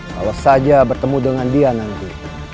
kalau saja bertemu dengan dia nanti